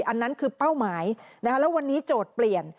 อันนั้นคือเป้าหมายแล้ววันนี้โจทย์เปลี่ยน